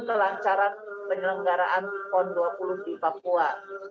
kelancaran penyelenggaraan pon dua puluh di papua